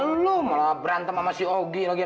ya lu malah berantem sama si ogi lagi